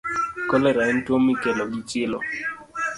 Kolera en tuwo mikelo gi chilo.